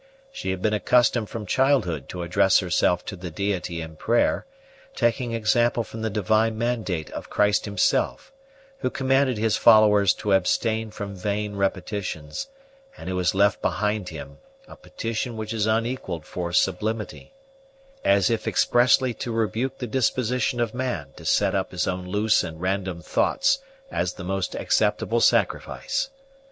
She had been accustomed from childhood to address herself to the Deity in prayer; taking example from the Divine mandate of Christ Himself, who commanded His followers to abstain from vain repetitions, and who has left behind Him a petition which is unequalled for sublimity, as if expressly to rebuke the disposition of man to set up his own loose and random thoughts as the most acceptable sacrifice.